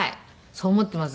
そう思っています。